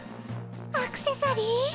アクセサリー？